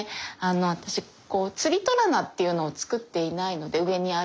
私つり戸棚っていうのを作っていないので上にある。